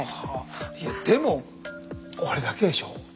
でもこれだけでしょ。